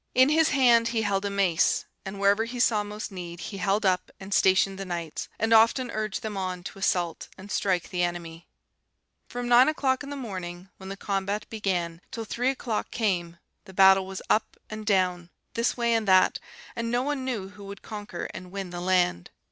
In his hand he held a mace, and wherever he saw most need he held up and stationed the knights, and often urged them on to assault and strike the enemy. "From nine o'clock in the morning, when the combat began, till three o'clock came, the battle was up and down, this way and that, and no one knew who would conquer and win the land.